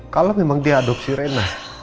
kalau memang dia adopsi rena